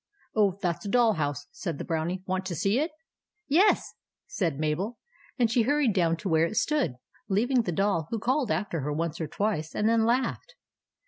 " Oh, that 's a doll house," said the Brownie. " Want to see it ?"" Yes," said Mabel ; and she hurried down to where it stood, leaving the Doll, who called after her once or twice, and then laughed.